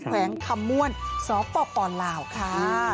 แขวงคำม่วนสปลาวค่ะ